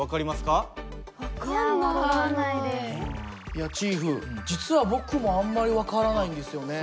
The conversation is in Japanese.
いやチーフ実は僕もあんまり分からないんですよね。